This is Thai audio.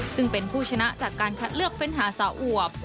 ซึ่งเป็นผู้ชนะจากการคัดเลือกเฟ้นหาสาวอวบ